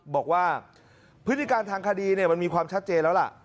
บอกว่าพฤติการทางคดีมันมีความชัดเจนแล้วล่ะ